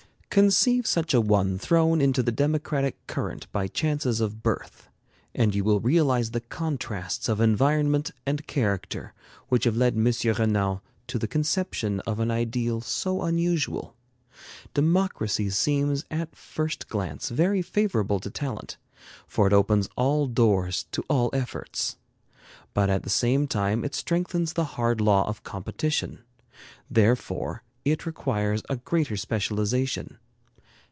Conceive such a one thrown into the democratic current by chances of birth, and you will realize the contrasts of environment and character which have led M. Renan to the conception of an ideal so unusual. Democracy seems at a first glance very favorable to talent, for it opens all doors to all efforts. But at the same time it strengthens the hard law of competition. Therefore it requires a greater specialization.